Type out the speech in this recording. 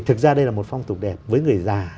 thực ra đây là một phong tục đẹp với người già